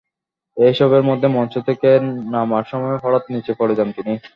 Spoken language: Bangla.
এসবের মধ্যে মঞ্চ থেকে নামার সময় হঠাত্ নিচে পড়ে যান তিনি।